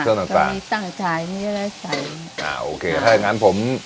เงี้ยบยตั้งแต่จ่ายโอเคถ้าอย่างงั้นผม